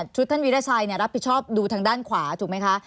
ท่านวิราชัยรับผิดชอบดูทางด้านขวาถูกไหมคะ